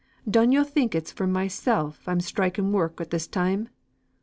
Dun yo think it's for mysel' I'm striking work at this time?